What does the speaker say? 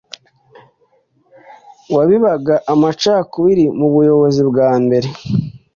wabibaga amacakubiri mu buyobozi bwa mbere